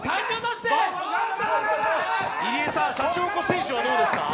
入江さん、シャチホコ選手はどうですか？